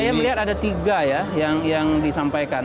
saya melihat ada tiga ya yang disampaikan